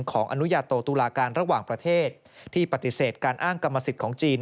อนุญาโตตุลาการระหว่างประเทศที่ปฏิเสธการอ้างกรรมสิทธิ์ของจีน